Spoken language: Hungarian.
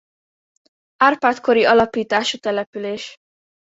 Árpád-kori alapítású település.